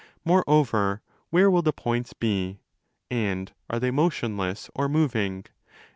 Moreover, where will the points be? And are they motionless or moving?